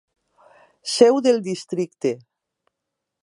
Seu del districte: